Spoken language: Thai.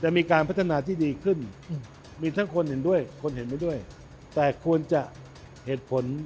จะมีการพัฒนาที่ดีขึ้นมีทั้งคนเห็นด้วยแต่ควรจะเหตุผล